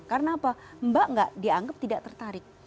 karena apa mbak enggak dianggap tidak tertarik